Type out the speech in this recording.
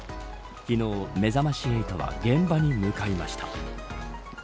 昨日、めざまし８は現場に向かいました。